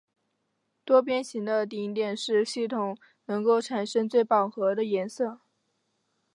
多边形的顶点是系统能够产生的最饱和的颜色。